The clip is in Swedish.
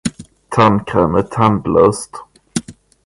Tandkräm är tandlöst.